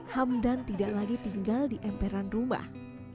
hamdan tidak lagi tinggal di emperan rumah